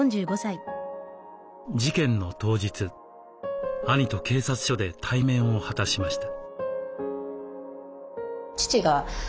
事件の当日兄と警察署で対面を果たしました。